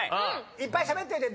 いっぱいしゃべっといて。